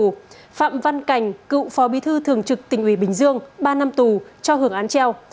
cựu phạm văn cảnh cựu phó bí thư thường trực tỉnh ủy bình dương ba năm tù cho hưởng án treo